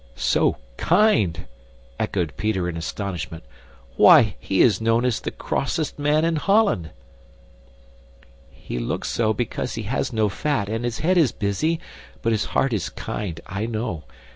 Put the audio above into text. "SO KIND!" echoed Peter in astonishment. "Why, he is known as the crossest man in Holland!" "He looks so because he has no fat and his head is busy, but his heart is kind, I know.